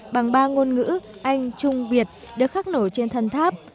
bằng ba ngôn ngữ anh trung việt được khắc nổi trên thân tháp